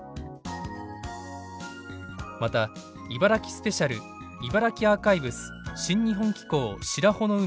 また茨城スペシャル「いばらきアーカイブス新日本紀行白帆の湖